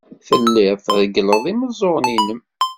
Telliḍ treggleḍ imeẓẓuɣen-nnem.